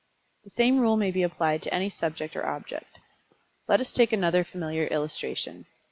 The same rule may be applied to any subject or object. Let us take another familiar illustration.